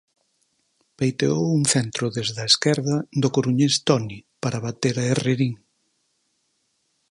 Peiteou un centro desde a esquerda do coruñés Toni para bater a Herrerín.